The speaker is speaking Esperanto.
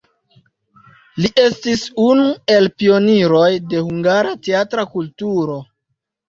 Li estis unu el pioniroj de hungara teatra kulturo.